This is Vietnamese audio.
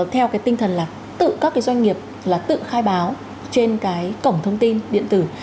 theo cái tinh thần là tự các cái doanh nghiệp là tự khai báo trên cái cổng thông tin điện tử